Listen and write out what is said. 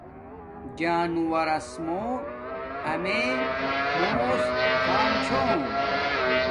جانوروس موں امیے موس کھام چھوم